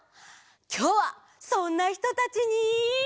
きょうはそんなひとたちに。